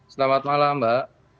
selamat malam mbak